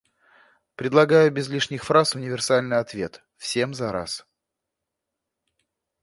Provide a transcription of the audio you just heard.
Предлагаю без лишних фраз универсальный ответ — всем зараз.